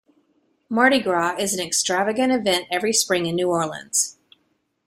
Mardi Gras is an extravagant event every spring in New Orleans.